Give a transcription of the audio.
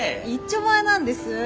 いっちょまえなんです。